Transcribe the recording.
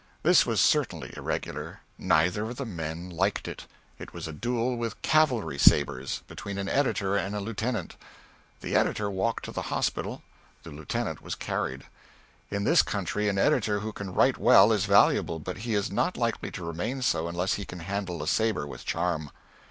This was certainly irregular. Neither of the men liked it. It was a duel with cavalry sabres, between an editor and a lieutenant. The editor walked to the hospital, the lieutenant was carried. In this country an editor who can write well is valuable, but he is not likely to remain so unless he can handle a sabre with charm.